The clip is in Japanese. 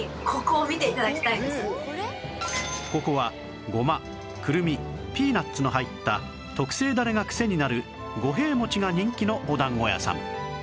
ここはゴマクルミピーナツの入った特製ダレがクセになる五平餅が人気のお団子屋さん